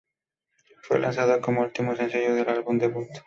Fue lanzado como el último sencillo del álbum debut.